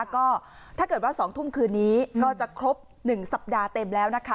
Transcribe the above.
ก็ถ้าเกิดว่า๒ทุ่มคืนนี้ก็จะครบ๑สัปดาห์เต็มแล้วนะคะ